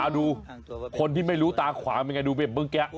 ดูคนที่ไม่รู้ตาขวาเป็นไงดูไปเมื่อกี้